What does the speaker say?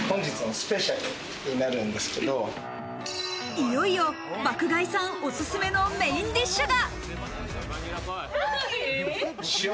いよいよ爆買いさんおすすめのメインディッシュが。